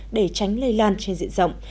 để tránh lây lan trên diện rộng